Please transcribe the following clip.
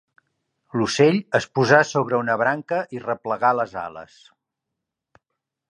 L'ocell es posà sobre una branca i replegà les ales.